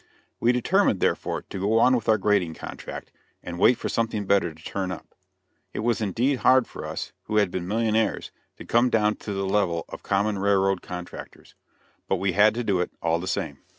We determined, therefore, to go on with our grading contract, and wait for something better to turn up. It was indeed hard for us, who had been millionaires, to come down to the level of common railroad contractors but we had to do it, all the same.